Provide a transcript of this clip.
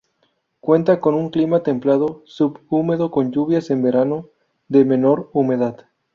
Cuenta con un clima templado subhúmedo con lluvias en verano, de menor humedad.